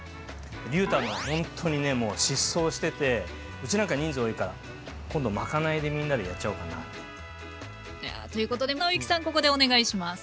りゅうたのは本当にねもう疾走しててうちなんか人数多いから今度まかないでみんなでやっちゃおうかな。ということで尚之さんここでお願いします。